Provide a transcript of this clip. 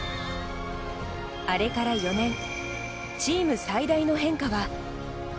あれから４年チーム最大の変化は。